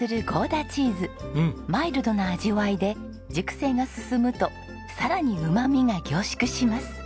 マイルドな味わいで熟成が進むとさらにうまみが凝縮します。